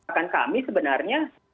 jadi akan kami sebenarnya